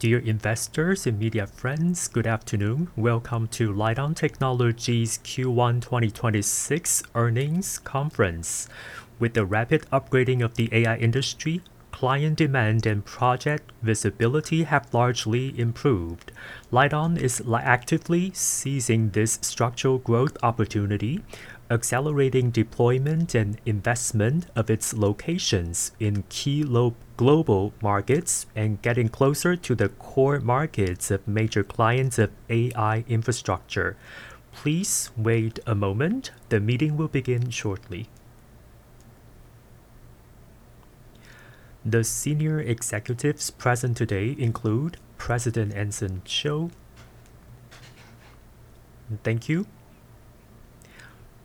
Dear investors and media friends, good afternoon. Welcome to Lite-On Technology's Q1 2026 earnings conference. With the rapid upgrading of the AI industry, client demand and project visibility have largely improved. Lite-On is actively seizing this structural growth opportunity, accelerating deployment and investment of its locations in key global markets and getting closer to the core markets of major clients of AI infrastructure. Please wait a moment. The meeting will begin shortly. The senior executives present today include President Anson Chiu. Thank you.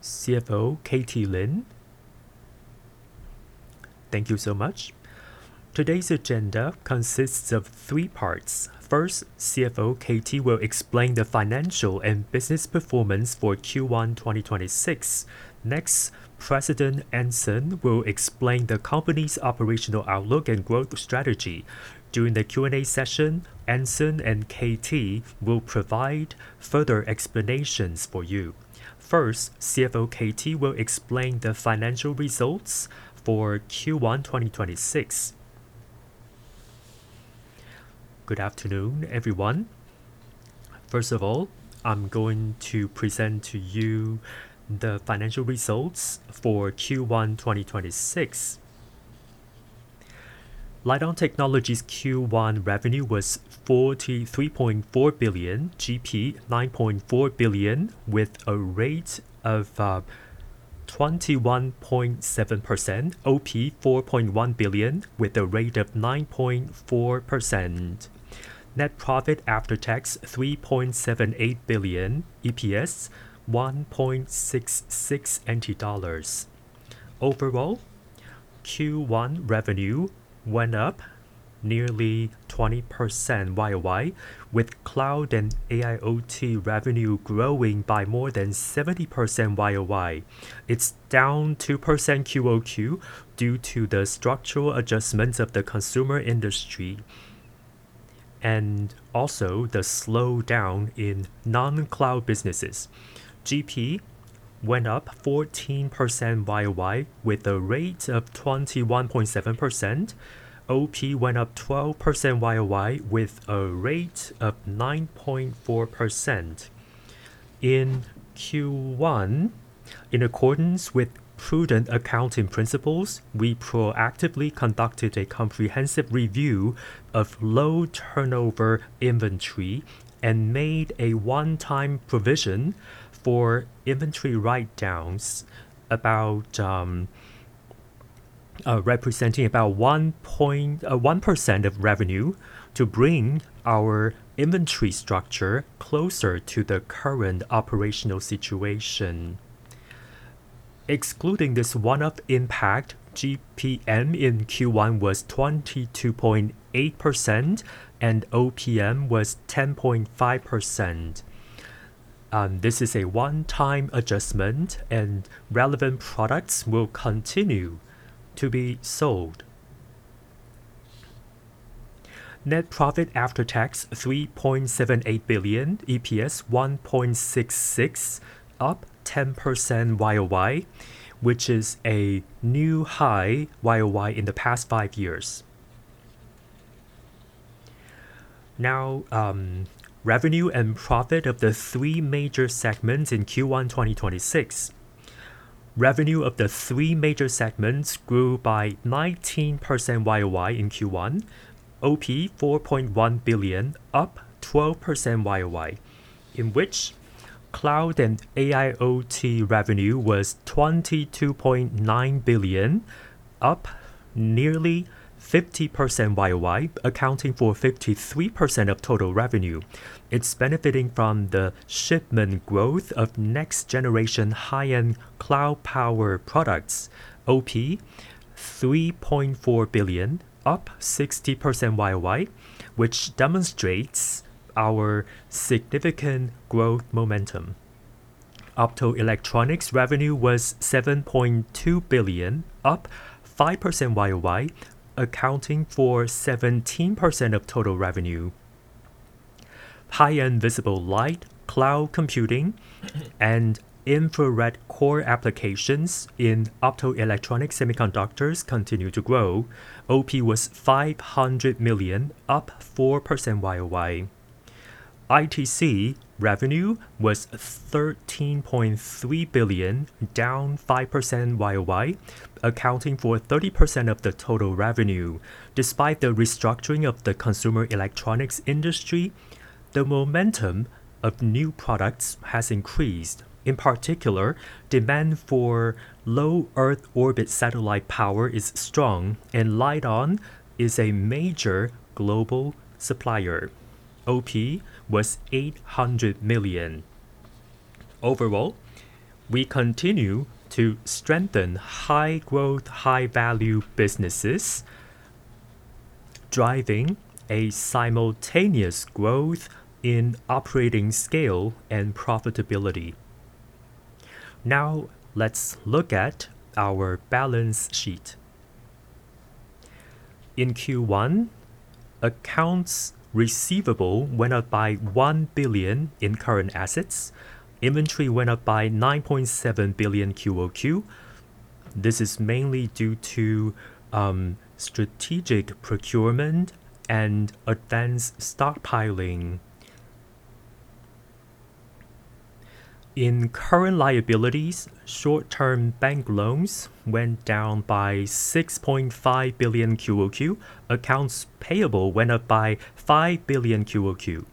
CFO, KT Lim. Thank you so much. Today's agenda consists of three parts. First, CFO KT will explain the financial and business performance for Q1 2026. Next, President Anson will explain the company's operational outlook and growth strategy. During the Q&A session, Anson and KT will provide further explanations for you. First, CFO KT will explain the financial results for Q1 2026. Good afternoon, everyone. First of all, I'm going to present to you the financial results for Q1 2026. Lite-On Technology's Q1 revenue was 43.4 billion, GP 9.4 billion, with a rate of 21.7%, OP 4.1 billion, with a rate of 9.4%. Net profit after tax, 3.78 billion, EPS 1.66 NT dollars. Overall, Q1 revenue went up nearly 20% YoY, with Cloud and AIoT revenue growing by more than 70% YoY. It's down 2% QoQ due to the structural adjustments of the consumer industry and also the slowdown in non-cloud businesses. GP went up 14% YoY with a rate of 21.7%. OP went up 12% YoY with a rate of 9.4%. In Q1, in accordance with prudent accounting principles, we proactively conducted a comprehensive review of low turnover inventory and made a one-time provision for inventory write-downs about, representing about 1.1% of revenue to bring our inventory structure closer to the current operational situation. Excluding this one-off impact, GPM in Q1 was 22.8% and OPM was 10.5%. This is a one-time adjustment and relevant products will continue to be sold. Net profit after tax, 3.78 billion, EPS 1.66, up 10% YoY, which is a new high YoY in the past five years. Revenue and profit of the three major segments in Q1 2026. Revenue of the three major segments grew by 19% YoY in Q1, OP 4.1 billion, up 12% YoY, in which Cloud and AIoT revenue was 22.9 billion, up nearly 50% YoY, accounting for 53% of total revenue. It's benefiting from the shipment growth of next-generation high-end cloud power products, OP 3.4 billion, up 60% YoY, which demonstrates our significant growth momentum. Optoelectronics revenue was 7.2 billion, up 5% YoY, accounting for 17% of total revenue. High-end visible light, cloud computing, and infrared core applications in optoelectronic semiconductors continue to grow. OP was 500 million, up 4% YoY. ITC revenue was 13.3 billion, down 5% YoY, accounting for 30% of the total revenue. Despite the restructuring of the consumer electronics industry, the momentum of new products has increased. In particular, demand for low Earth orbit satellite power is strong, and Lite-On is a major global supplier. OP was 800 million. Overall, we continue to strengthen high-growth, high-value businesses, driving a simultaneous growth in operating scale and profitability. Now let's look at our balance sheet. In Q1, accounts receivable went up by 1 billion in current assets. Inventory went up by 9.7 billion QoQ. This is mainly due to strategic procurement and advanced stockpiling. In current liabilities, short-term bank loans went down by 6.5 billion QoQ. Accounts payable went up by 5 billion QoQ.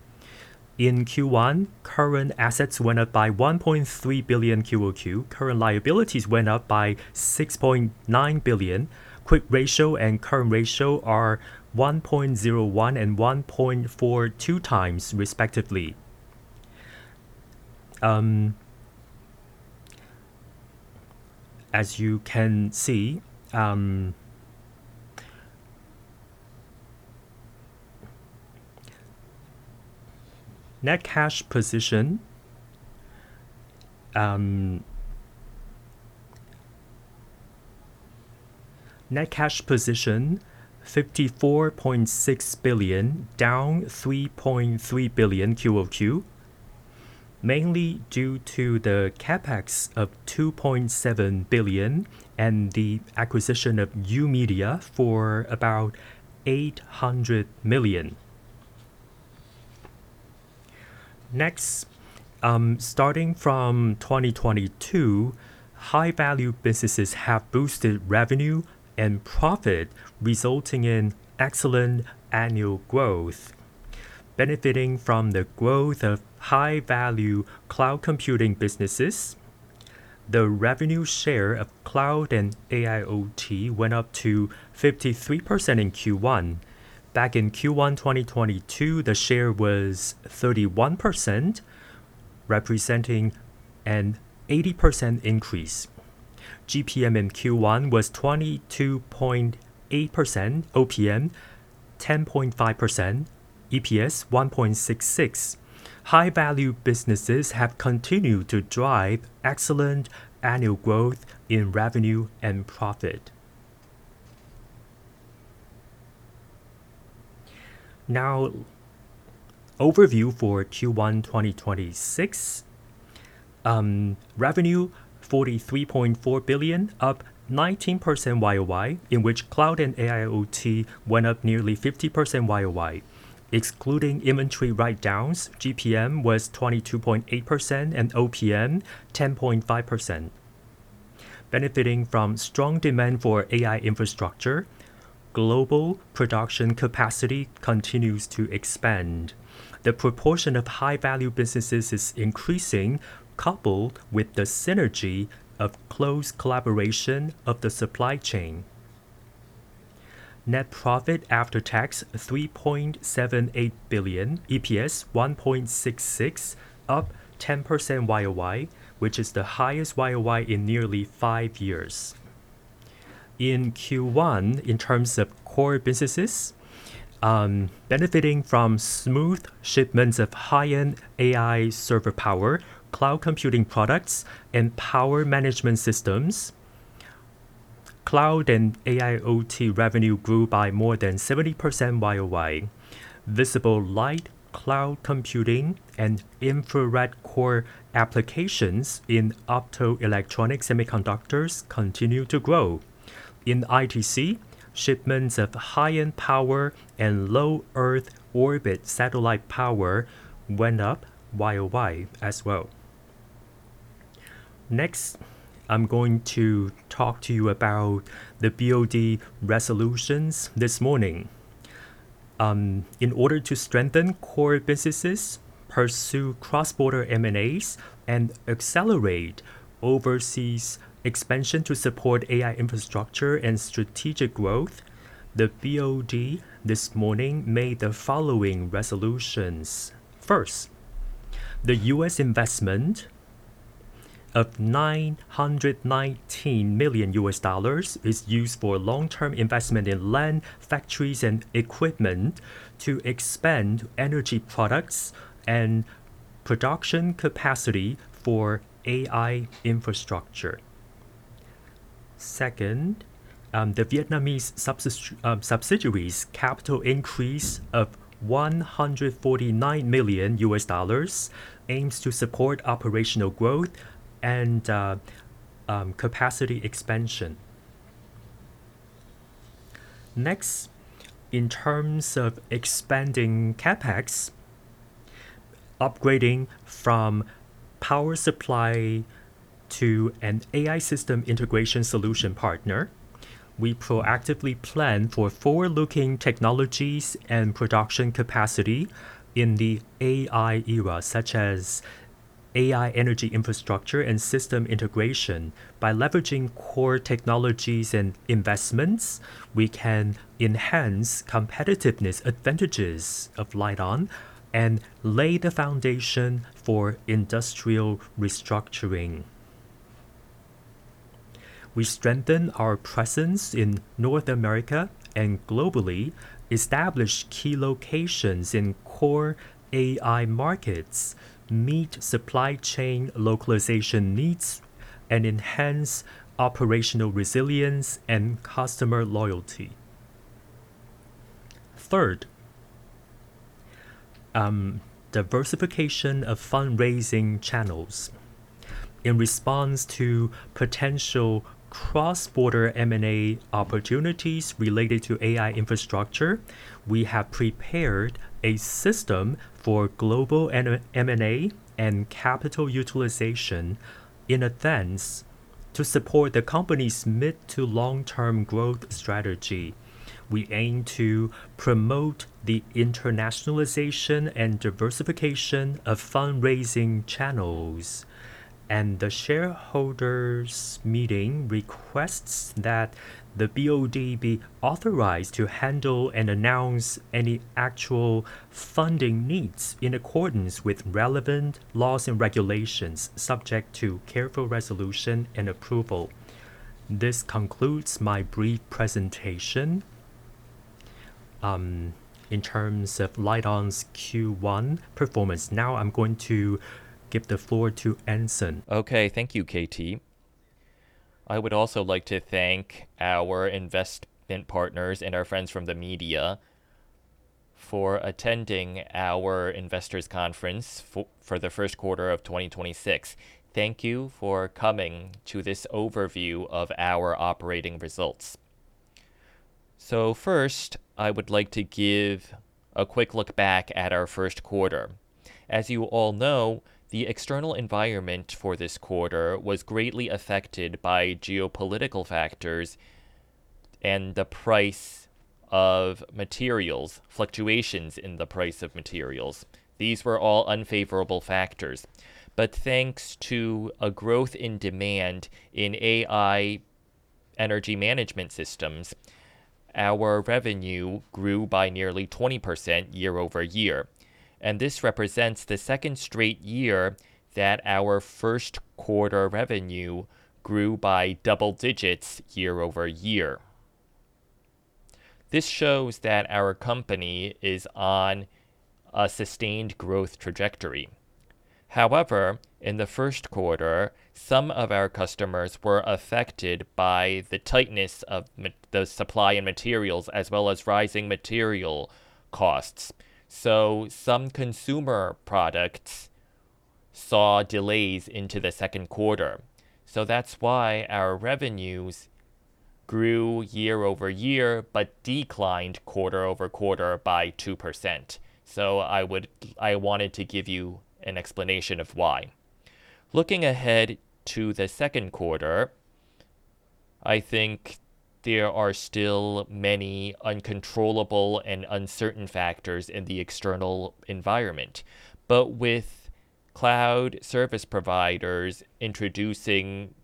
In Q1, current assets went up by 1.3 billion QoQ. Current liabilities went up by 6.9 billion. Quick ratio and current ratio are 1.01x and 1.42x respectively. As you can see, net cash position, net cash position 54.6 billion, down 3.3 billion QoQ, mainly due to the CapEx of 2.7 billion and the acquisition of U-MEDIA for about 800 million. Next, starting from 2022, high-value businesses have boosted revenue and profit, resulting in excellent annual growth. Benefiting from the growth of high-value cloud computing businesses, the revenue share of Cloud and AIoT went up to 53% in Q1. Back in Q1 2022, the share was 31%, representing an 80% increase. GPM in Q1 was 22.8%, OPM 10.5%, EPS 1.66. High-value businesses have continued to drive excellent annual growth in revenue and profit. Overview for Q1 2026. Revenue 43.4 billion, up 19% YoY, in which Cloud and AIoT went up nearly 50% YoY. Excluding inventory write-downs, GPM was 22.8% and OPM 10.5%. Benefiting from strong demand for AI infrastructure, global production capacity continues to expand. The proportion of high-value businesses is increasing, coupled with the synergy of close collaboration of the supply chain. Net profit after tax 3.78 billion, EPS 1.66, up 10% YoY, which is the highest YoY in nearly five years. In Q1, in terms of core businesses, benefiting from smooth shipments of high-end AI server power, cloud computing products, and power management systems, Cloud and AIoT revenue grew by more than 70% YoY. Visible light cloud computing and infrared core applications in optoelectronic semiconductors continue to grow. In ITC, shipments of high-end power and low Earth orbit satellite power went up YoY as well. Next, I'm going to talk to you about the BOD resolutions this morning. In order to strengthen core businesses, pursue cross-border M&As, and accelerate overseas expansion to support AI infrastructure and strategic growth, the BOD this morning made the following resolutions. First, the U.S. investment of $919 million is used for long-term investment in land, factories, and equipment to expand energy products and production capacity for AI infrastructure. Second, the Vietnamese subsidiaries' capital increase of $149 million aims to support operational growth and capacity expansion. Next, in terms of expanding CapEx, upgrading from power supply to an AI system integration solution partner, we proactively plan for forward-looking technologies and production capacity in the AI era, such as AI energy infrastructure and system integration. By leveraging core technologies and investments, we can enhance competitiveness advantages of Lite-On and lay the foundation for industrial restructuring. We strengthen our presence in North America and globally, establish key locations in core AI markets, meet supply chain localization needs, and enhance operational resilience and customer loyalty. Third, diversification of fundraising channels. In response to potential cross-border M&A opportunities related to AI infrastructure, we have prepared a system for global M&A and capital utilization in advance to support the company's mid to long-term growth strategy. We aim to promote the internationalization and diversification of fundraising channels. The shareholders meeting requests that the BOD be authorized to handle and announce any actual funding needs in accordance with relevant laws and regulations, subject to careful resolution and approval. This concludes my brief presentation in terms of Lite-On's Q1 performance. Now I'm going to give the floor to Anson. Okay. Thank you, KT. I would also like to thank our investment partners and our friends from the media for attending our investors' conference for the first quarter of 2026. Thank you for coming to this overview of our operating results. First, I would like to give a quick look back at our first quarter. As you all know, the external environment for this quarter was greatly affected by geopolitical factors and the price of materials, fluctuations in the price of materials. These were all unfavorable factors. Thanks to a growth in demand in AI energy management systems, our revenue grew by nearly 20% year-over-year, and this represents the second straight year that our first quarter revenue grew by double digits year-over-year. This shows that our company is on a sustained growth trajectory. In the first quarter, some of our customers were affected by the tightness of the supply and materials, as well as rising material costs. Some consumer products saw delays into the second quarter. That's why our revenues grew year-over-year, but declined quarter-over-quarter by 2%. I wanted to give you an explanation of why. Looking ahead to the second quarter, I think there are still many uncontrollable and uncertain factors in the external environment. With cloud service providers introducing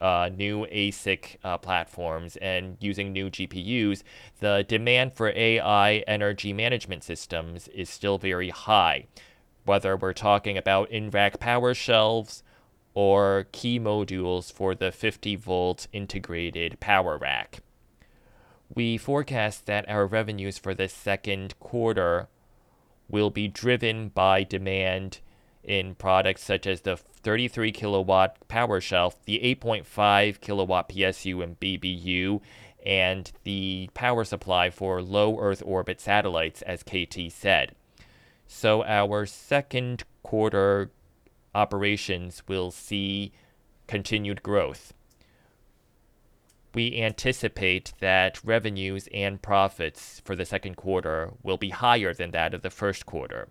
new ASIC platforms and using new GPUs, the demand for AI energy management systems is still very high, whether we're talking about in-rack power shelves or key modules for the 50 V integrated power rack. We forecast that our revenues for the second quarter will be driven by demand in products such as the 33 kW power shelf, the 8.5 kW PSU and BBU, and the power supply for low Earth orbit satellites, as KT said. Our second quarter operations will see continued growth. We anticipate that revenues and profits for the second quarter will be higher than that of the first quarter.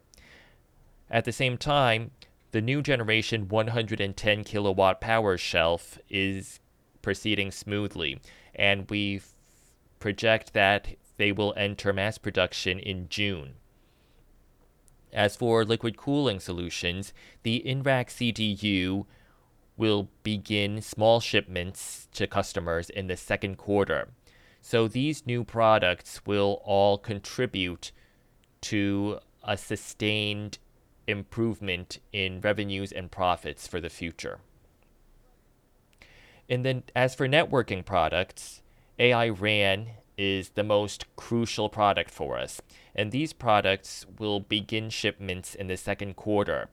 At the same time, the new generation 110 kW power shelf is proceeding smoothly, and we project that they will enter mass production in June. As for liquid cooling solutions, the in-rack CDU will begin small shipments to customers in the second quarter. These new products will all contribute to a sustained improvement in revenues and profits for the future. As for networking products, AI RAN is the most crucial product for us, and these products will begin shipments in the second quarter.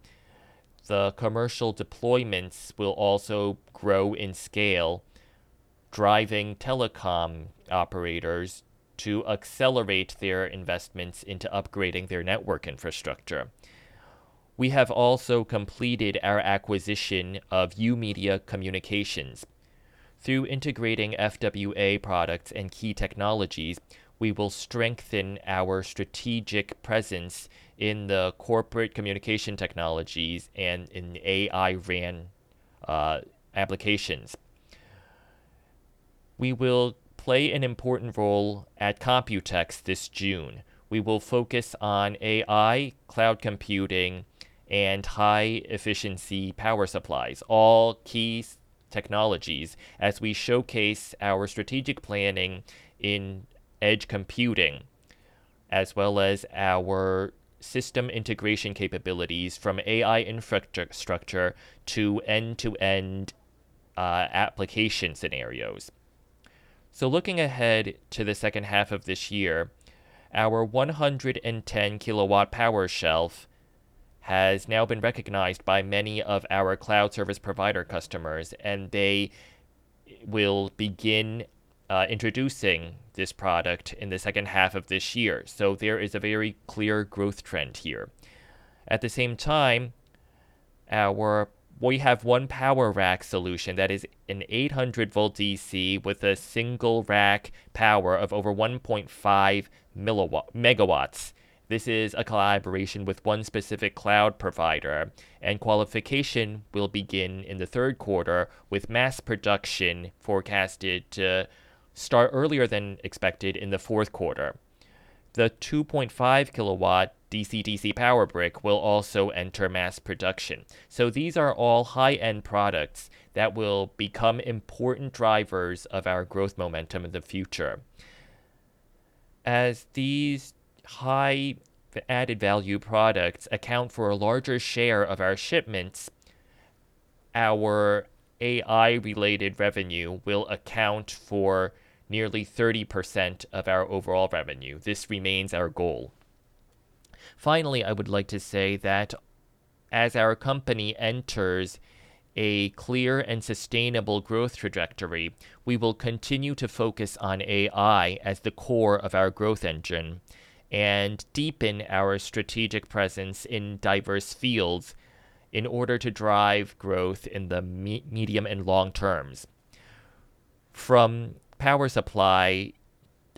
The commercial deployments will also grow in scale, driving telecom operators to accelerate their investments into upgrading their network infrastructure. We have also completed our acquisition of U-Media Communications. Through integrating FWA products and key technologies, we will strengthen our strategic presence in the corporate communication technologies and in AI RAN applications. We will play an important role at COMPUTEX this June. We will focus on AI, cloud computing, and high efficiency power supplies, all key technologies as we showcase our strategic planning in edge computing as well as our system integration capabilities from AI infrastructure to end-to-end application scenarios. Looking ahead to the second half of this year, our 110 kW power shelf has now been recognized by many of our Cloud Service Provider customers, and they will begin introducing this product in the second half of this year. There is a very clear growth trend here. At the same time, we have one power rack solution that is an 800 V DC with a single rack power of over 1.5 MW. This is a collaboration with one specific cloud provider, and qualification will begin in the third quarter, with mass production forecasted to start earlier than expected in the fourth quarter. The 2.5 kW DC-DC power brick will also enter mass production. These are all high-end products that will become important drivers of our growth momentum in the future. As these high added-value products account for a larger share of our shipments, our AI-related revenue will account for nearly 30% of our overall revenue. This remains our goal. I would like to say that as our company enters a clear and sustainable growth trajectory, we will continue to focus on AI as the core of our growth engine and deepen our strategic presence in diverse fields in order to drive growth in the medium and long terms. From power supply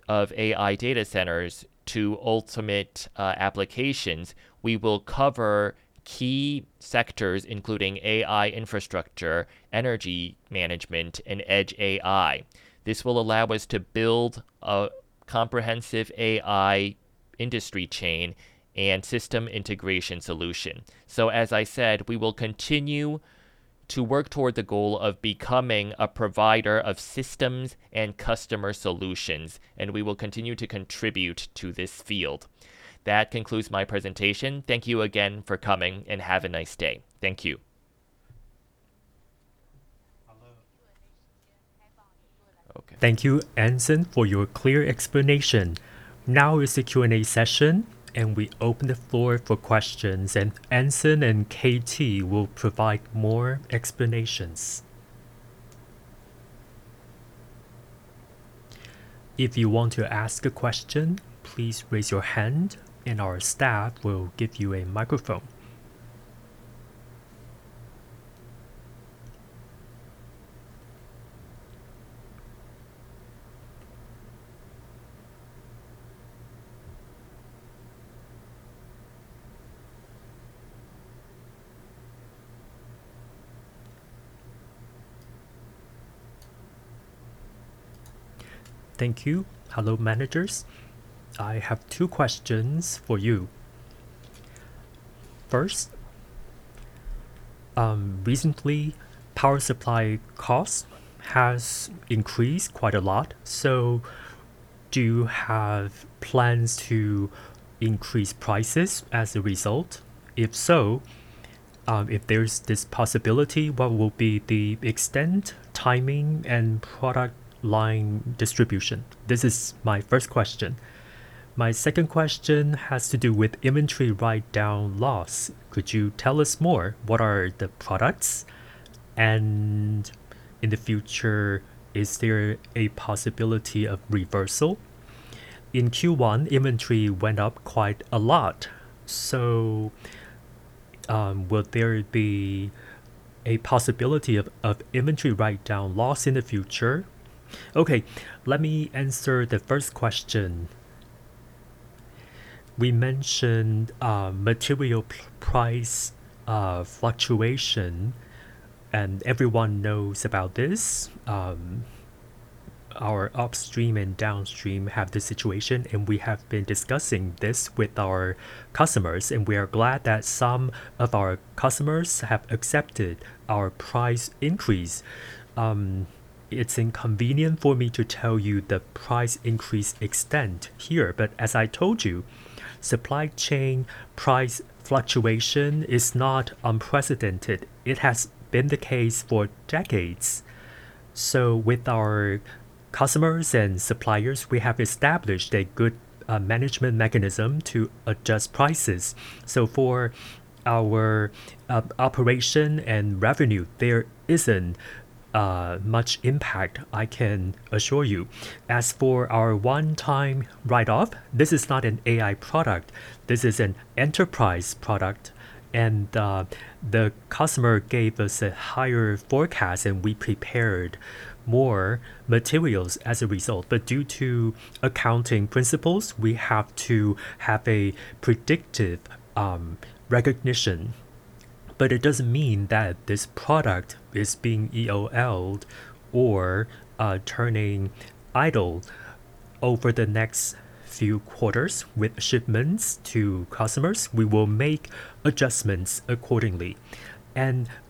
of AI data centers to ultimate applications, we will cover key sectors, including AI infrastructure, energy management, and edge AI. This will allow us to build a comprehensive AI industry chain and system integration solution. As I said, we will continue to work toward the goal of becoming a provider of systems and customer solutions, and we will continue to contribute to this field. That concludes my presentation. Thank you again for coming, and have a nice day. Thank you. Thank you, Anson, for your clear explanation. Now is the Q&A session, and we open the floor for questions, and Anson Chiu and KT Lim will provide more explanations. If you want to ask a question, please raise your hand, and our staff will give you a microphone. Thank you. Hello, managers. I have two questions for you. First, recently, power supply cost has increased quite a lot. Do you have plans to increase prices as a result? If so, if there's this possibility, what will be the extent, timing, and product line distribution? This is my first question. My second question has to do with inventory write-down loss. Could you tell us more? What are the products? In the future, is there a possibility of reversal? In Q1, inventory went up quite a lot, will there be a possibility of inventory write-down loss in the future? Let me answer the first question. We mentioned material price fluctuation, everyone knows about this. Our upstream and downstream have this situation, we have been discussing this with our customers, we are glad that some of our customers have accepted our price increase. It's inconvenient for me to tell you the price increase extent here, as I told you, supply chain price fluctuation is not unprecedented. It has been the case for decades. With our customers and suppliers, we have established a good management mechanism to adjust prices. For our operation and revenue, there isn't much impact, I can assure you. As for our 1-time write-off, this is not an AI product. This is an enterprise product. The customer gave us a higher forecast, and we prepared more materials as a result. Due to accounting principles, we have to have a predictive recognition. It doesn't mean that this product is being EOL-ed or turning idle over the next few quarters with shipments to customers. We will make adjustments accordingly.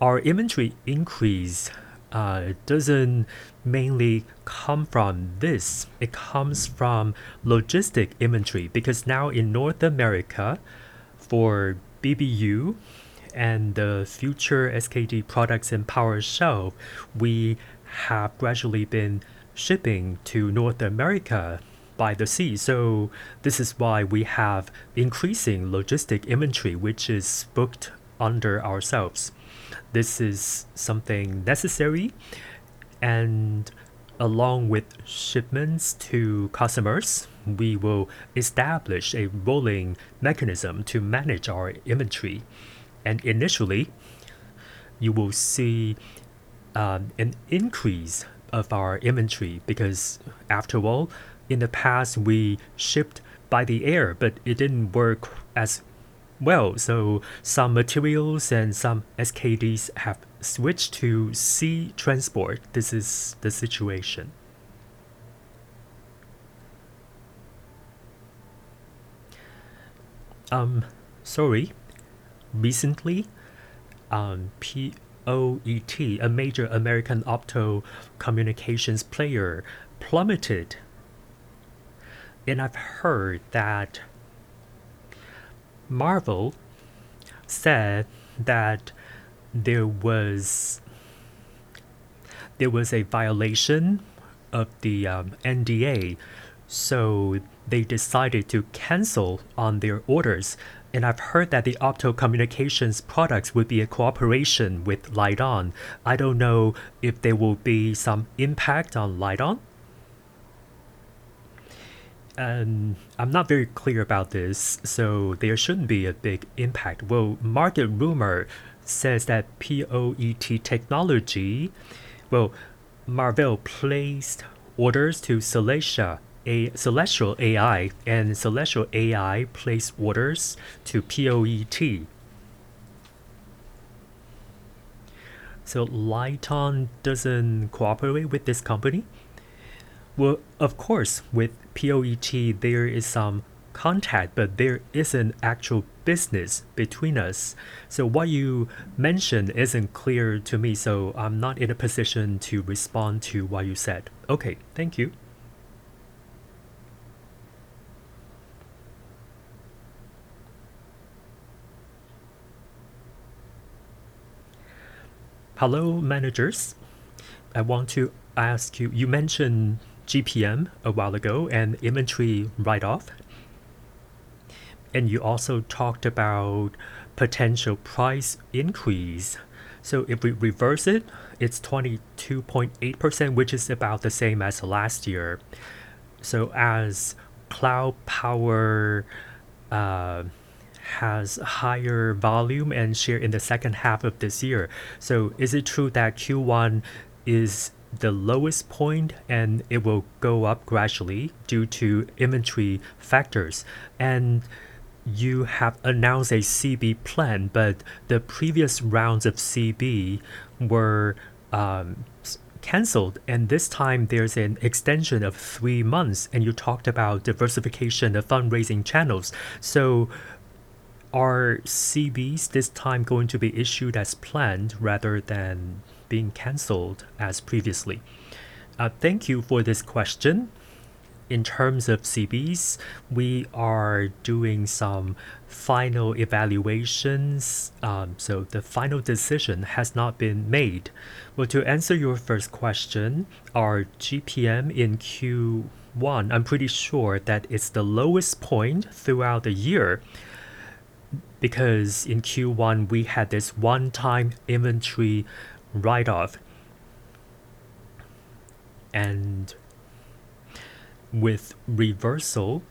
Our inventory increase doesn't mainly come from this. It comes from logistic inventory because now in North America for BBU and the future SKD products and power shelf, we have gradually been shipping to North America by the sea. This is why we have increasing logistic inventory, which is booked under ourselves. This is something necessary, and along with shipments to customers, we will establish a rolling mechanism to manage our inventory. Initially, you will see an increase of our inventory because after all, in the past, we shipped by the air, but it didn't work as well. Some materials and some SKDs have switched to sea transport. This is the situation. Sorry. Recently, POET, a major American opto-communications player plummeted, and I've heard that Marvell said that there was a violation of the NDA, so they decided to cancel on their orders. I've heard that the opto communications products would be a cooperation with Lite-On. I don't know if there will be some impact on Lite-On. I'm not very clear about this, so there shouldn't be a big impact. Market rumor says that Marvell placed orders to Celestial AI, and Celestial AI placed orders to POET. Lite-On doesn't cooperate with this company? Of course, with POET, there is some contact, but there isn't actual business between us. What you mentioned isn't clear to me, so I'm not in a position to respond to what you said. Okay. Thank you. Hello, managers. I want to ask you mentioned GPM a while ago and inventory write-off, and you also talked about potential price increase. If we reverse it's 22.8%, which is about the same as last year. As cloud power has higher volume and share in the second half of this year, is it true that Q1 is the lowest point, and it will go up gradually due to inventory factors? You have announced a CB plan, but the previous rounds of CB were canceled, this time there's an extension of three months, you talked about diversification of fundraising channels. Are CBs this time going to be issued as planned rather than being canceled as previously? Thank you for this question. In terms of CBs, we are doing some final evaluations, the final decision has not been made. Well, to answer your first question, our GPM in Q1, I'm pretty sure that it's the lowest point throughout the year because in Q1 we had this one-time inventory write-off. With reversal,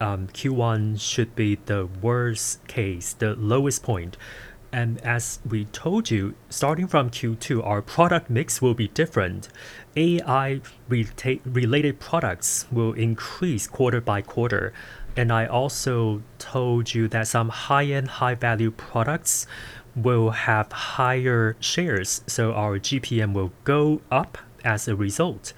Q1 should be the worst case, the lowest point. As we told you, starting from Q2, our product mix will be different. AI-related products will increase quarter-by-quarter. I also told you that some high-end, high-value products will have higher shares. Our GPM will go up as a result.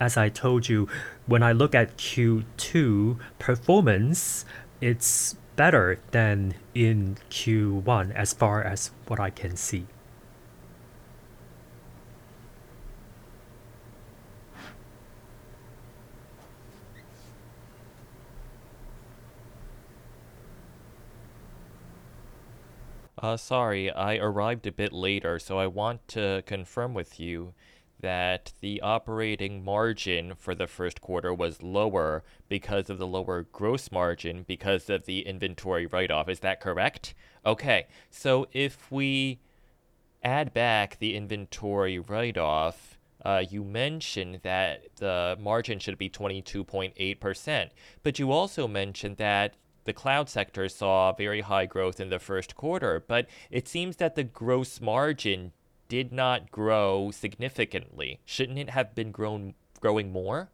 As I told you, when I look at Q2 performance, it's better than in Q1 as far as what I can see. Sorry, I arrived a bit later, I want to confirm with you that the operating margin for the first quarter was lower because of the lower gross margin because of the inventory write-off. Is that correct? Okay. If we add back the inventory write-off, you mentioned that the margin should be 22.8%, you also mentioned that the cloud sector saw very high growth in the first quarter. It seems that the gross margin did not grow significantly. Shouldn't it have been growing more?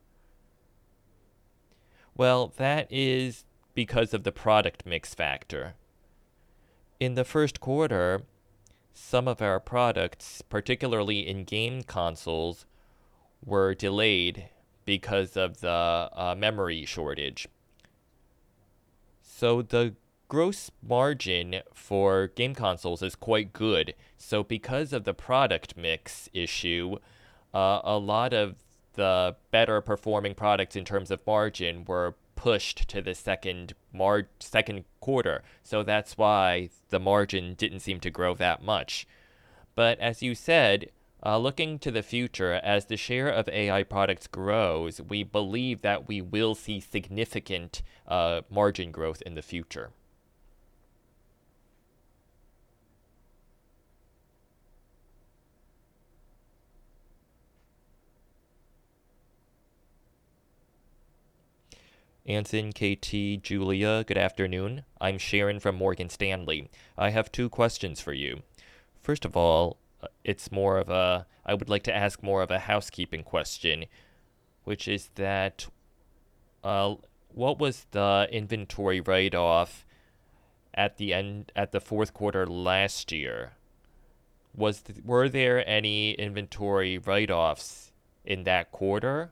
That is because of the product mix factor. In the first quarter, some of our products, particularly in game consoles, were delayed because of the memory shortage. The gross margin for game consoles is quite good. Because of the product mix issue, a lot of the better performing products in terms of margin were pushed to the second quarter. That's why the margin didn't seem to grow that much. As you said, looking to the future, as the share of AI products grows, we believe that we will see significant margin growth in the future. Anson, KT, Julia, good afternoon. I'm Sharon from Morgan Stanley. I have two questions for you. First of all, I would like to ask more of a housekeeping question, which is that, what was the inventory write-off at the fourth quarter last year? Were there any inventory write-offs in that quarter?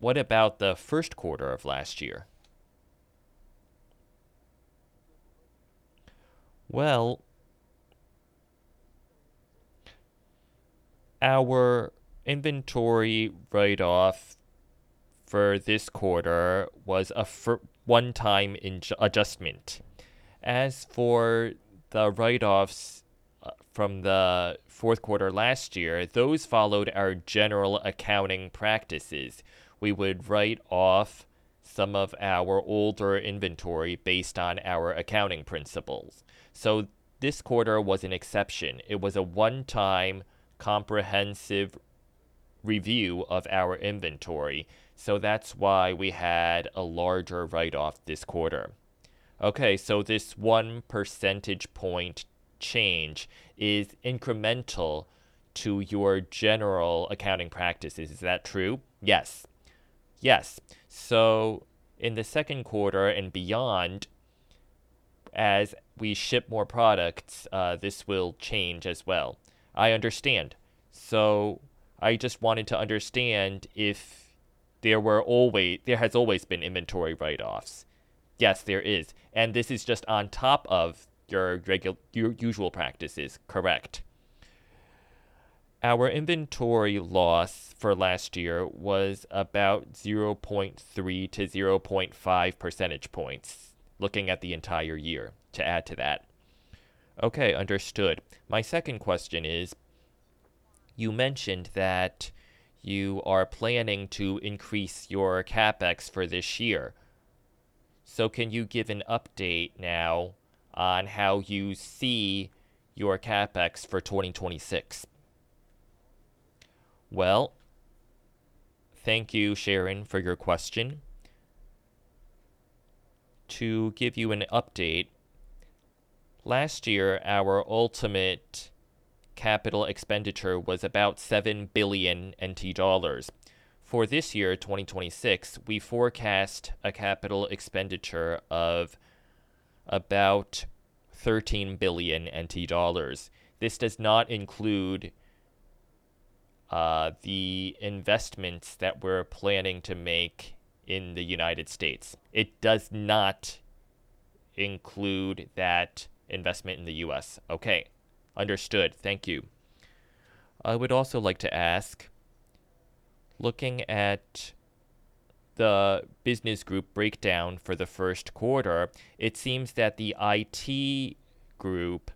What about the first quarter of last year? Well, our inventory write-off for this quarter was a one-time adjustment. As for the write-offs, from the fourth quarter last year, those followed our general accounting practices. We would write off some of our older inventory based on our accounting principles. This quarter was an exception. It was a one-time comprehensive review of our inventory, that's why we had a larger write-off this quarter. This 1 percentage point change is incremental to your general accounting practices. Is that true? Yes. Yes. In the second quarter and beyond, as we ship more products, this will change as well. I understand. I just wanted to understand if there has always been inventory write-offs. Yes, there is. This is just on top of your usual practices. Correct. Our inventory loss for last year was about 0.3-0.5 percentage points, looking at the entire year, to add to that. Okay, understood. My second question is, you mentioned that you are planning to increase your CapEx for this year. Can you give an update now on how you see your CapEx for 2026? Thank you, Sharon, for your question. To give you an update, last year, our ultimate capital expenditure was about 7 billion NT dollars. For this year, 2026, we forecast a capital expenditure of about 13 billion NT dollars. This does not include the investments that we're planning to make in the United States. It does not include that investment in the U.S. Okay. Understood. Thank you. I would also like to ask, looking at the business group breakdown for the first quarter, it seems that the IT group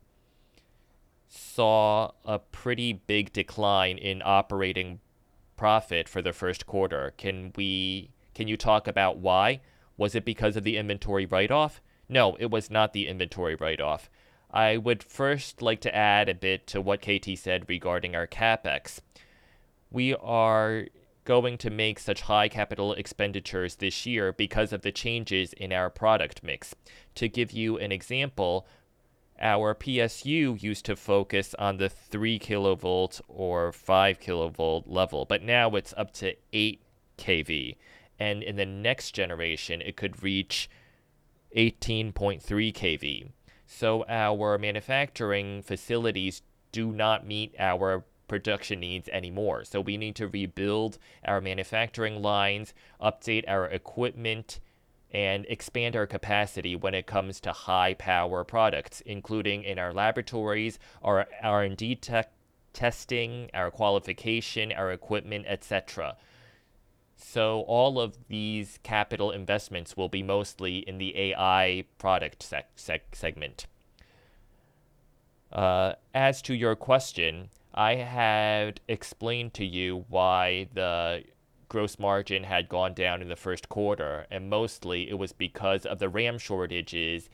saw a pretty big decline in operating profit for the first quarter. Can you talk about why? Was it because of the inventory write-off? No, it was not the inventory write-off. I would first like to add a bit to what KT said regarding our CapEx. We are going to make such high capital expenditures this year because of the changes in our product mix. To give you an example, our PSU used to focus on the 3 kV or 5 kV level, but now it's up to 8 kV, and in the next generation, it could reach 18.3 kV. Our manufacturing facilities do not meet our production needs anymore. We need to rebuild our manufacturing lines, update our equipment, and expand our capacity when it comes to high-power products, including in our laboratories, our R&D testing, our qualification, our equipment, et cetera. As to your question, I had explained to you why the gross margin had gone down in the first quarter, and mostly it was because of the RAM shortages,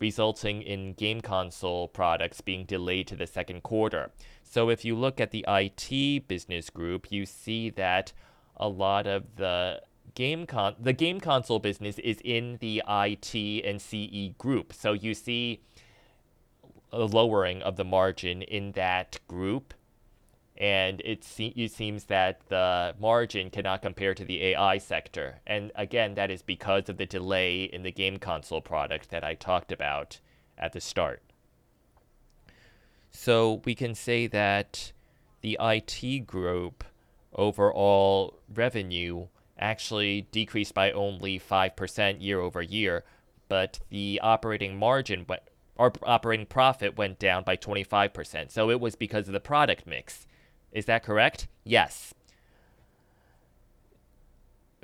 resulting in game console products being delayed to the second quarter. If you look at the IT business group, you see that a lot of the game console business is in the IT and CE group. You see a lowering of the margin in that group, and it seems that the margin cannot compare to the AI sector. Again, that is because of the delay in the game console product that I talked about at the start. We can say that the IT group overall revenue actually decreased by only 5% year-over-year, but the operating profit went down by 25%. It was because of the product mix. Is that correct? Yes.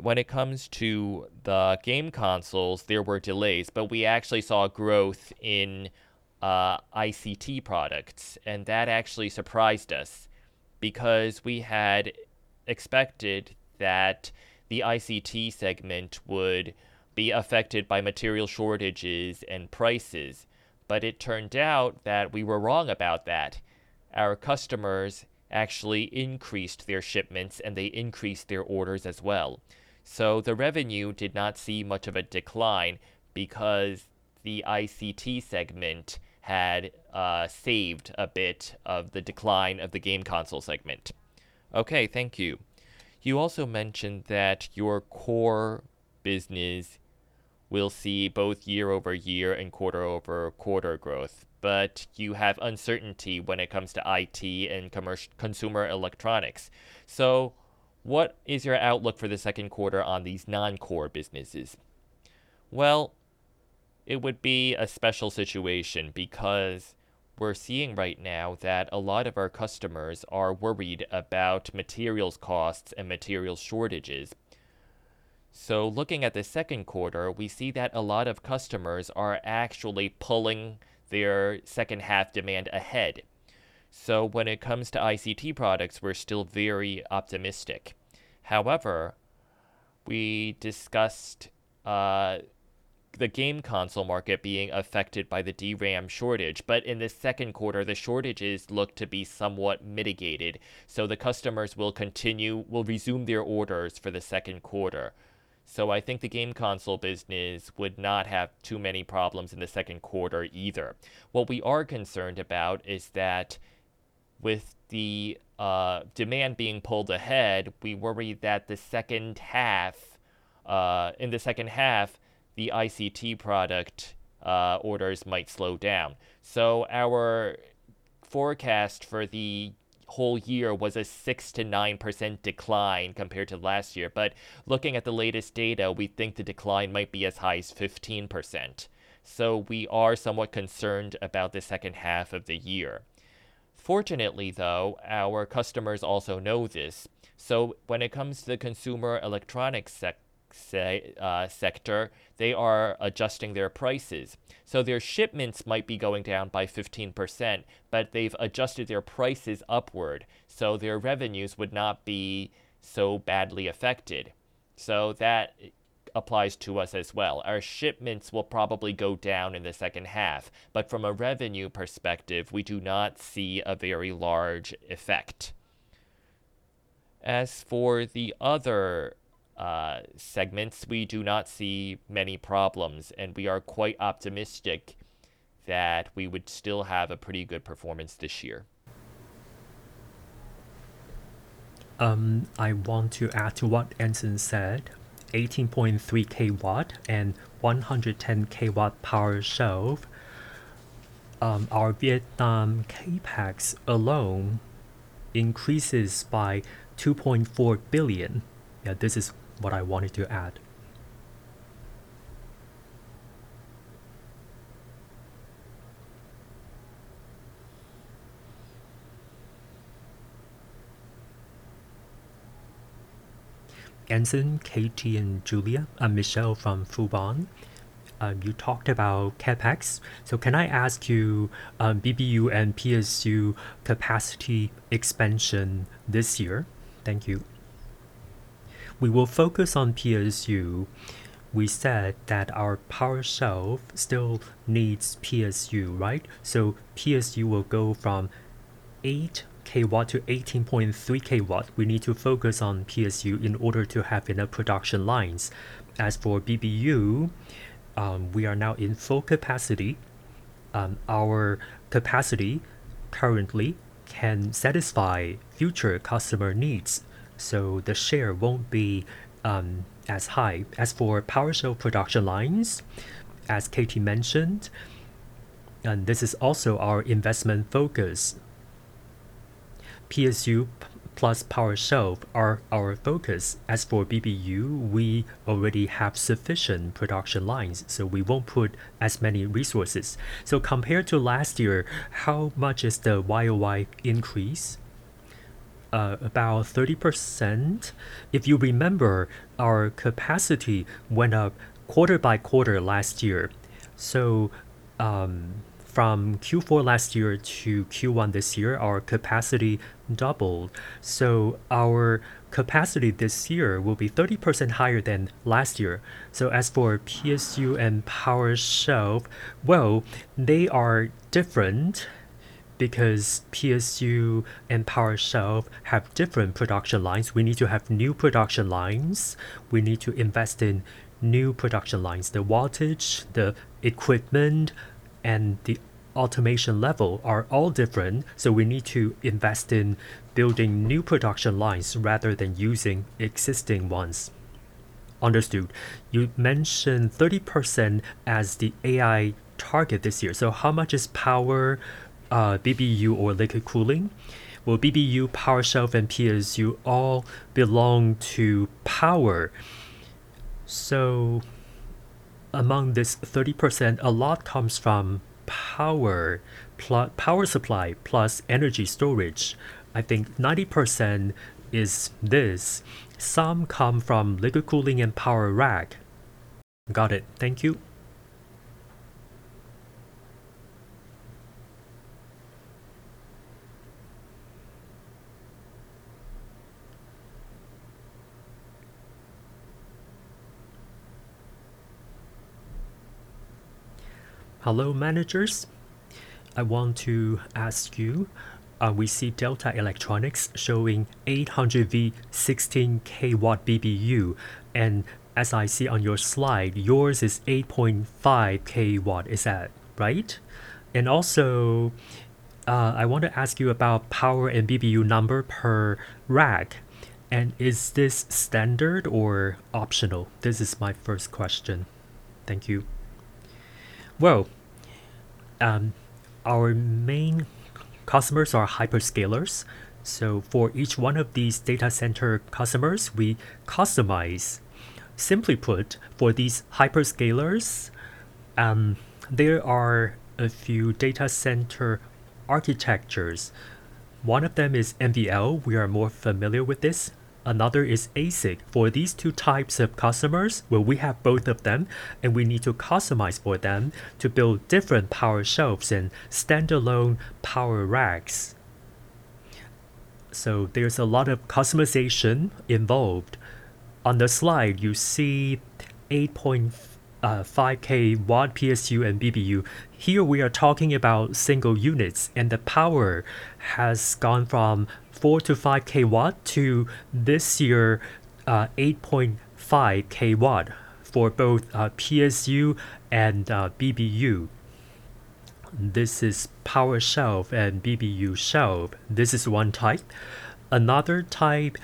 When it comes to the game consoles, there were delays, but we actually saw growth in ICT products, and that actually surprised us because we had expected that the ICT segment would be affected by material shortages and prices. It turned out that we were wrong about that. Our customers actually increased their shipments, and they increased their orders as well. The revenue did not see much of a decline because the ICT segment had saved a bit of the decline of the game console segment. Okay. Thank you. You also mentioned that your core business will see both year-over-year and quarter-over-quarter growth, but you have uncertainty when it comes to IT and consumer electronics. What is your outlook for the second quarter on these non-core businesses? Well, it would be a special situation because we're seeing right now that a lot of our customers are worried about materials costs and material shortages. Looking at the second quarter, we see that a lot of customers are actually pulling their second half demand ahead. When it comes to ICT products, we're still very optimistic. However, we discussed the game console market being affected by the DRAM shortage. In the second quarter, the shortages look to be somewhat mitigated. The customers will resume their orders for the second quarter. I think the game console business would not have too many problems in the second quarter either. What we are concerned about is that with the demand being pulled ahead, we worry that in the second half, the ICT product orders might slow down. Our forecast for the whole year was a 6%-9% decline compared to last year. Looking at the latest data, we think the decline might be as high as 15%. We are somewhat concerned about the second half of the year. Fortunately, though, our customers also know this. When it comes to the consumer electronics sector, they are adjusting their prices. Their shipments might be going down by 15%, but they've adjusted their prices upward, so their revenues would not be so badly affected. That applies to us as well. Our shipments will probably go down in the second half, but from a revenue perspective, we do not see a very large effect. As for the other segments, we do not see many problems, and we are quite optimistic that we would still have a pretty good performance this year. I want to add to what Anson said. 18.3 kW and 110 kW power shelf, our Vietnam CapEx alone increases by 2.4 billion. Yeah, this is what I wanted to add. Anson, KT, and Julia, I'm Michelle from Fubon. You talked about CapEx. Can I ask you, BBU and PSU capacity expansion this year? Thank you. We will focus on PSU. We said that our power shelf still needs PSU, right? PSU will go from 8 kW to 18.3 kW. We need to focus on PSU in order to have enough production lines. As for BBU, we are now in full capacity. Our capacity currently can satisfy future customer needs, so the share won't be as high. As for power shelf production lines, as KT mentioned, and this is also our investment focus, PSU plus power shelf are our focus. As for BBU, we already have sufficient production lines, so we won't put as many resources. Compared to last year, how much is the YoY increase? About 30%. If you remember, our capacity went up quarter by quarter last year. From Q4 last year to Q1 this year, our capacity doubled. Our capacity this year will be 30% higher than last year. As for PSU and power shelf, well, they are different because PSU and power shelf have different production lines. We need to have new production lines. We need to invest in new production lines. The wattage, the equipment, and the automation level are all different. We need to invest in building new production lines rather than using existing ones. Understood. You mentioned 30% as the AI target this year. How much is power, BBU or liquid cooling? Well, BBU, power shelf, and PSU all belong to power. Among this 30%, a lot comes from power supply plus energy storage. I think 90% is this. Some come from liquid cooling and power rack. Got it. Thank you. Hello, managers. I want to ask you, we see Delta Electronics showing 800 V 16 kW BBU, and as I see on your slide, yours is 8.5 kW. Is that right? Also, I want to ask you about power and BBU number per rack, and is this standard or optional? This is my first question. Thank you. Well, our main customers are hyperscalers. For each one of these data center customers, we customize. Simply put, for these hyperscalers, there are a few data center architectures. One of them is NVL. We are more familiar with this. Another is ASIC. For these two types of customers, well, we have both of them, and we need to customize for them to build different power shelves and standalone power racks. There's a lot of customization involved. On the slide, you see 8.5 kW PSU and BBU. Here we are talking about single units, and the power has gone from 4 kW-5 kW to this year, 8.5 kW for both PSU and BBU. This is power shelf and BBU shelf. This is one type. Another type,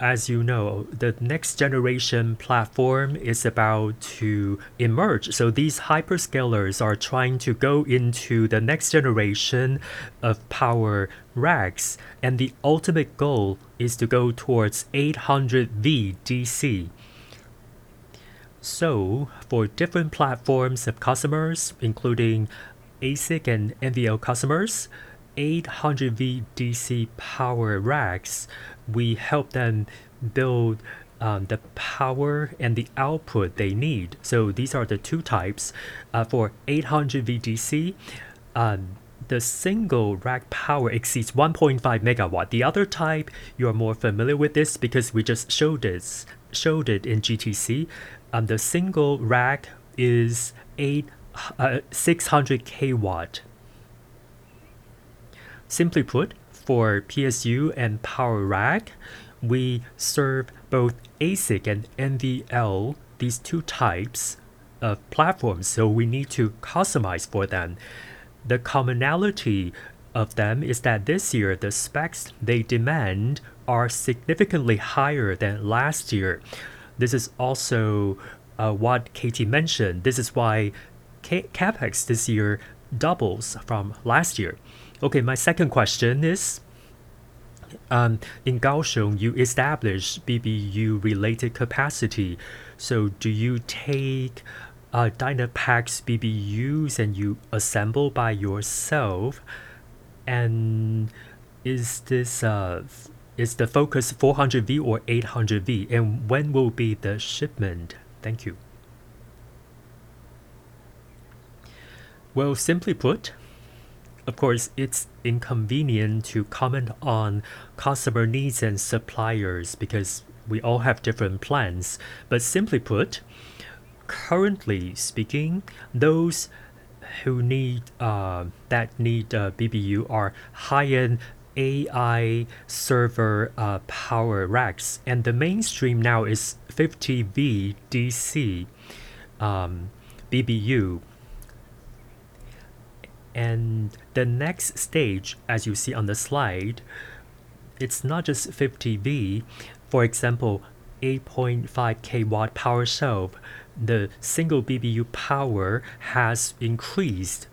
as you know, the next generation platform is about to emerge. These hyperscalers are trying to go into the next generation of power racks, and the ultimate goal is to go towards 800 VDC. For different platforms of customers, including ASIC and NVL customers, 800 VDC power racks, we help them build the power and the output they need. These are the two types. For 800 VDC, the single rack power exceeds 1.5 MW. The other type, you are more familiar with this because we just showed this, showed it in GTC. The single rack is 600 kW. Simply put, for PSU and power rack, we serve both ASIC and NVL, these two types of platforms, so we need to customize for them. The commonality of them is that this year, the specs they demand are significantly higher than last year. This is also what KT mentioned. This is why CapEx this year doubles from last year. Okay, my second question is, in Kaohsiung, you established BBU-related capacity. Do you take Dynapack BBUs and you assemble by yourself? Is this, is the focus 400 V or 800 V? When will be the shipment? Thank you. Well, simply put, of course, it's inconvenient to comment on customer needs and suppliers because we all have different plans. Simply put, currently speaking, those who need, that need a BBU are high-end AI server, power racks, and the mainstream now is 50 VDC BBU. The next stage, as you see on the slide, it's not just 50 V. For example, 8.5 kW power shelf, the single BBU power has increased.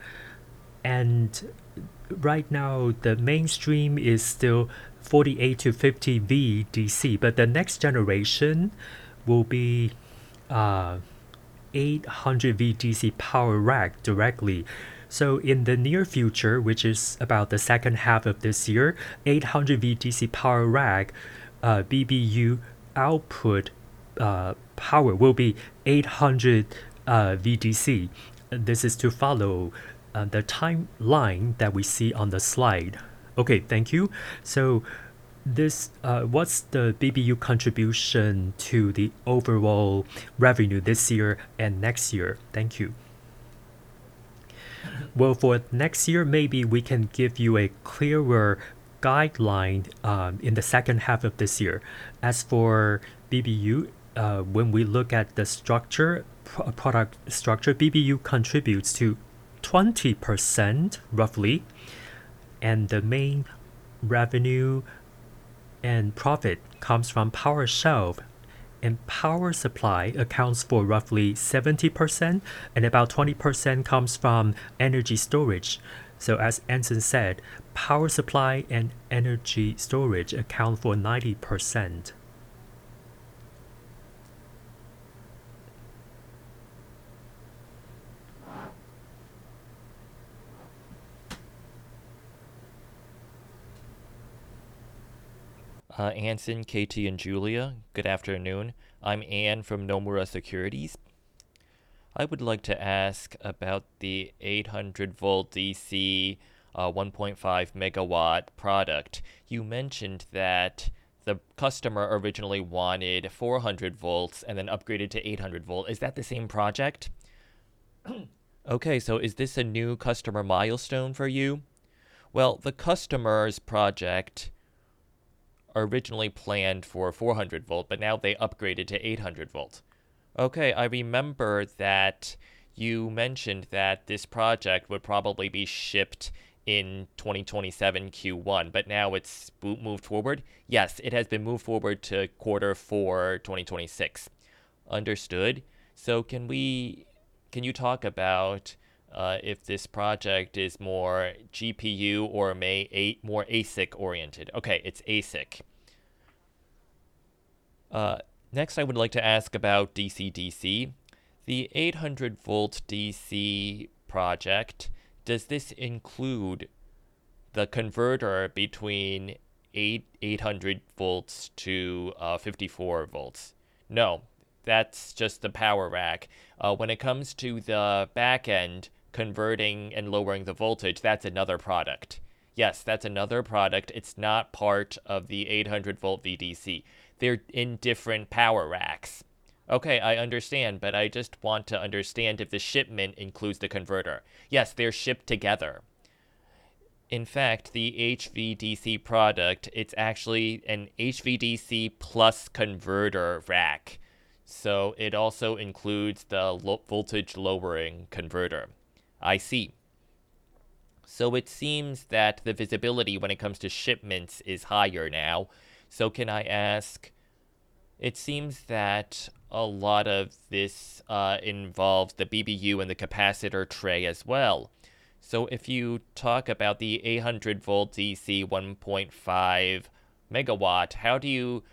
Right now, the mainstream is still 48 VDC-50 VDC, but the next generation will be 800 VDC power rack directly. In the near future, which is about the second half of this year, 800 VDC power rack, BBU output, power will be 800 VDC. This is to follow the timeline that we see on the slide. Okay, thank you. What's the BBU contribution to the overall revenue this year and next year? Thank you. Well, for next year, maybe we can give you a clearer guideline in the second half of this year. As for BBU, when we look at the structure, product structure, BBU contributes to 20% roughly, and the main revenue and profit comes from power shelf, and power supply accounts for roughly 70%, and about 20% comes from energy storage. As Anson said, power supply and energy storage account for 90%. Anson, KT, and Julia, good afternoon. I'm Ann from Nomura Securities. I would like to ask about the 800 VDC, 1.5 MW product. You mentioned that the customer originally wanted 400 V and then upgraded to 800 V. Is that the same project? Is this a new customer milestone for you? Well, the customer's project originally planned for 400 V, but now they upgraded to 800 V. I remember that you mentioned that this project would probably be shipped in 2027 Q1, but now it's moved forward? Yes, it has been moved forward to Q4 2026. Understood. Can you talk about if this project is more GPU or more ASIC oriented? Okay, it's ASIC. Next I would like to ask about DC-DC. The 800 VDC project, does this include the converter between 800 V to 54 V? No, that's just the power rack. When it comes to the back end converting and lowering the voltage, that's another product. Yes, that's another product. It's not part of the 800 VDC. They're in different power racks. I understand, but I just want to understand if the shipment includes the converter. Yes, they're shipped together. In fact, the HVDC product, it's actually an HVDC plus converter rack, so it also includes the voltage lowering converter. I see. It seems that the visibility when it comes to shipments is higher now. Can I ask, it seems that a lot of this involves the BBU and the capacitor tray as well. If you talk about the 800 VDC 1.5 MW, how do you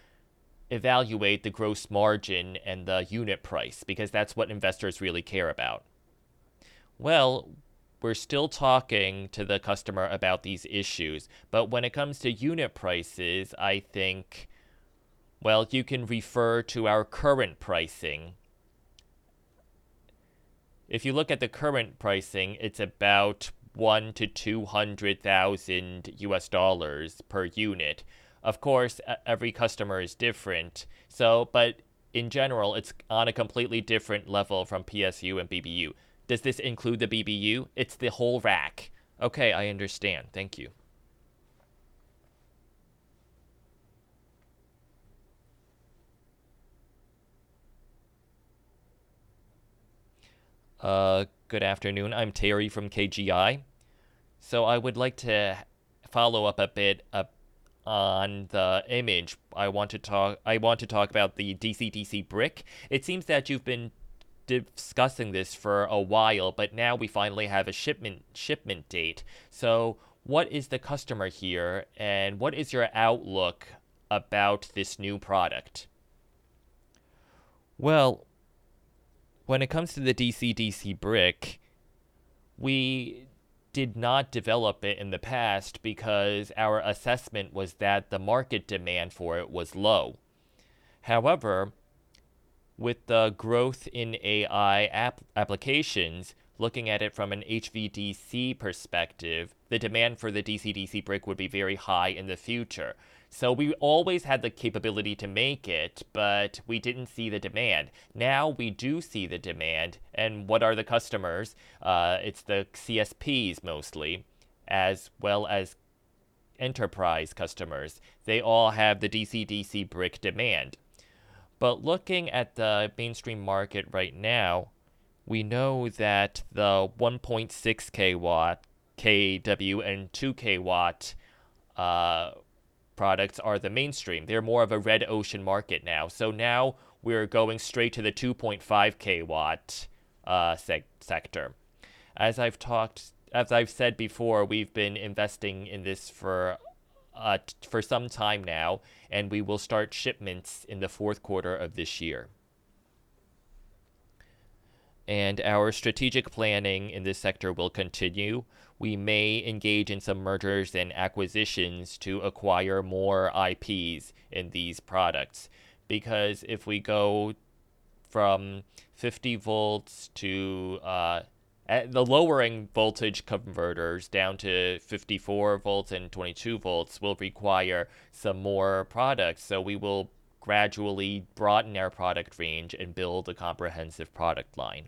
evaluate the gross margin and the unit price? That's what investors really care about. Well, we're still talking to the customer about these issues, but when it comes to unit prices, I think, well, you can refer to our current pricing. If you look at the current pricing, it's about $100,000-$200,000 per unit. Of course, every customer is different. But in general, it's on a completely different level from PSU and BBU. Does this include the BBU? It's the whole rack. Okay, I understand. Thank you. Good afternoon. I'm Terry from KGI. I would like to follow up a bit on the image. I want to talk about the DC-DC power brick. It seems that you've been discussing this for a while, but now we finally have a shipment date. What is the customer here, and what is your outlook about this new product? Well, when it comes to the DC-DC power brick, we did not develop it in the past because our assessment was that the market demand for it was low. However, with the growth in AI applications, looking at it from an HVDC perspective, the demand for the DC-DC power brick would be very high in the future. We always had the capability to make it, but we didn't see the demand. Now we do see the demand, and what are the customers? It's the CSPs mostly, as well as enterprise customers. They all have the DC-DC brick demand. Looking at the mainstream market right now, we know that the 1.6 kW and 2 kW products are the mainstream. They're more of a red ocean market now. Now we're going straight to the 2.5 kW sector. As I've said before, we've been investing in this for some time now, and we will start shipments in the fourth quarter of this year. Our strategic planning in this sector will continue. We may engage in some mergers and acquisitions to acquire more IPs in these products, because if we go from 50 V to, The lowering voltage converters down to 54 V and 22 V will require some more products, so we will gradually broaden our product range and build a comprehensive product line.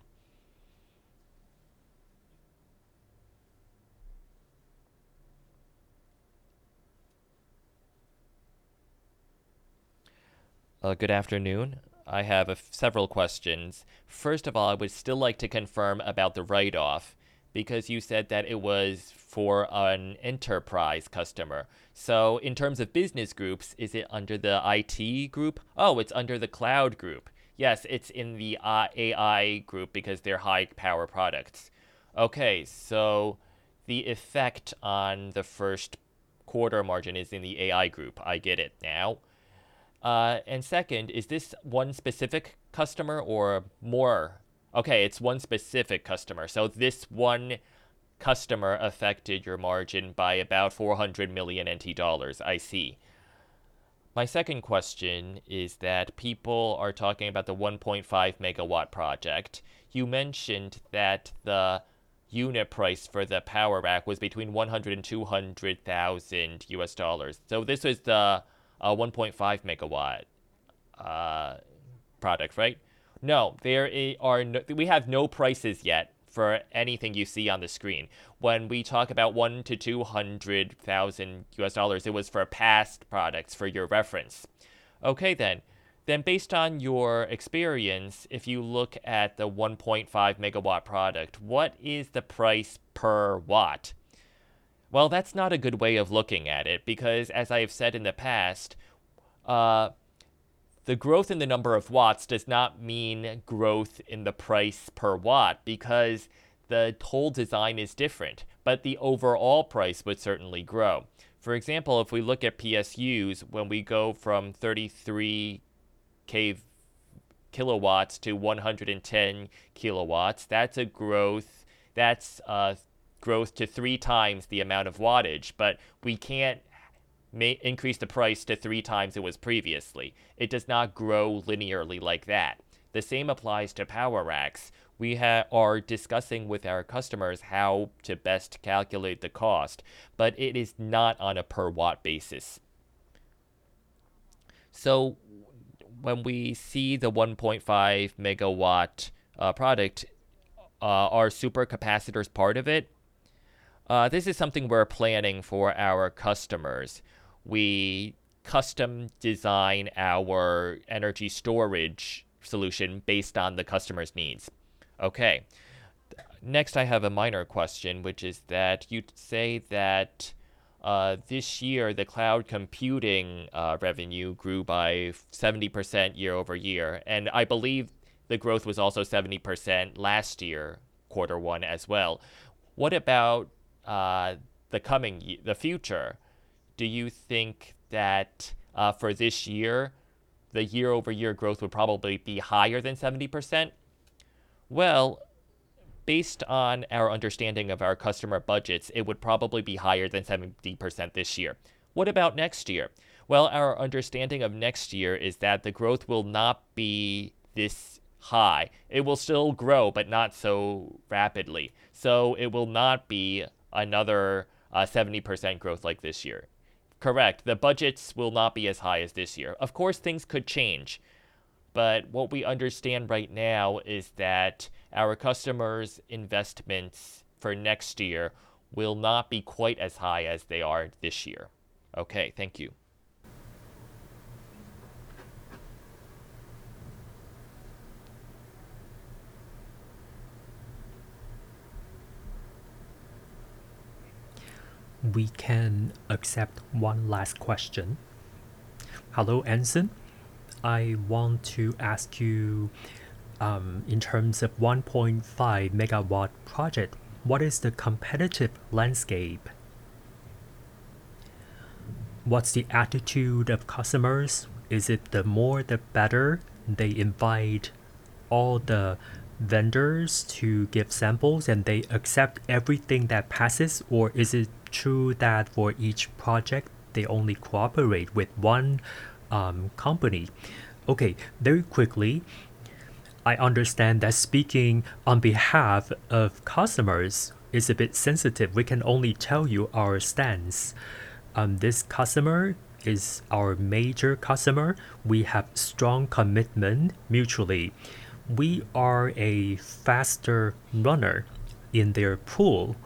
Good afternoon. I have several questions. First of all, I would still like to confirm about the write-off because you said that it was for an enterprise customer. In terms of business groups, is it under the IT group? It's under the Cloud group. Yes, it's in the AI group because they're high-power products. Okay. The effect on the first quarter margin is in the AI group. I get it now. Second, is this one specific customer or more? Okay, it's one specific customer. This one customer affected your margin by about 400 million NT dollars. I see. My second question is that people are talking about the 1.5 MW project. You mentioned that the unit price for the power rack was between $100,000-$200,000. This is the 1.5 MW product, right? No, we have no prices yet for anything you see on the screen. When we talk about $100,000-$200,000, it was for past products for your reference. Okay. Based on your experience, if you look at the 1.5 MW product, what is the price per watt? Well, that's not a good way of looking at it because as I have said in the past, the growth in the number of watts does not mean growth in the price per watt because the whole design is different, but the overall price would certainly grow. For example, if we look at PSUs, when we go from 33 kWs-110 kWs, that's a growth. That's a growth to 3x the amount of wattage, but we can't increase the price to 3x it was previously. It does not grow linearly like that. The same applies to power racks. We are discussing with our customers how to best calculate the cost, but it is not on a per watt basis. When we see the 1.5 MW product, are super capacitors part of it? This is something we're planning for our customers. We custom design our energy storage solution based on the customer's needs. Okay. Next, I have a minor question, which is that you say that this year the cloud computing revenue grew by 70% year-over-year, and I believe the growth was also 70% last year quarter one as well. What about the coming future? Do you think that for this year, the year-over-year growth would probably be higher than 70%? Well, based on our understanding of our customer budgets, it would probably be higher than 70% this year. What about next year? Well, our understanding of next year is that the growth will not be this high. It will still grow, but not so rapidly. It will not be another 70% growth like this year. Correct. The budgets will not be as high as this year. Of course, things could change, but what we understand right now is that our customers' investments for next year will not be quite as high as they are this year. Okay. Thank you. We can accept one last question. Hello, Anson. I want to ask you, in terms of 1.5 MW project, what is the competitive landscape? What's the attitude of customers? Is it the more the better? They invite all the vendors to give samples, and they accept everything that passes? Or is it true that for each project, they only cooperate with one company? Very quickly, I understand that speaking on behalf of customers is a bit sensitive. We can only tell you our stance. This customer is our major customer. We have strong commitment mutually. We are a faster runner in their pool.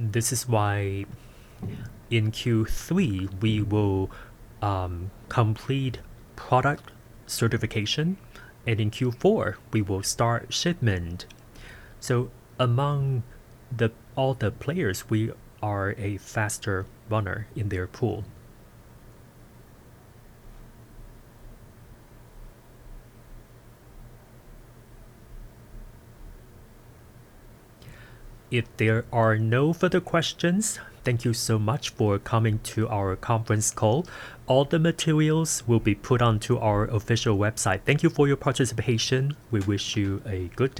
This is why in Q3, we will complete product certification, and in Q4, we will start shipment. Among all the players, we are a faster runner in their pool. If there are no further questions, thank you so much for coming to our conference call. All the materials will be put onto our official website. Thank you for your participation.